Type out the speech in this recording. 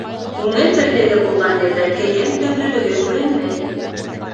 Күңел берлеге булған ерҙә кейем төрлөлөгө күренмәй.